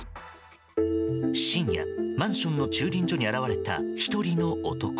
深夜、マンションの駐輪所に現れた１人の男。